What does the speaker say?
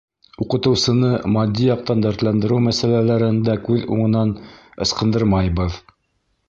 Уҡытыусыны матди яҡтан дәртләндереү мәсьәләләрен дә күҙ уңынан ысҡындырмайбыҙ.